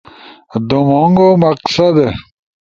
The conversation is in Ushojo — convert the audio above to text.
دُومونگو مقصد